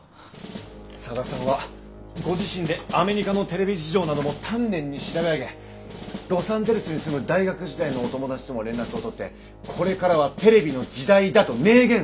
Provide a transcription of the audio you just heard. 佐田さんはご自身でアメリカのテレビ事情なども丹念に調べ上げロサンゼルスに住む大学時代のお友達とも連絡を取ってこれからはテレビの時代だと明言されたそうです。